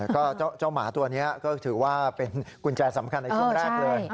ก็เจ้าหมาตัวนี้ก็ถือว่าเป็นกุญแจสำคัญในช่วงแรกเลย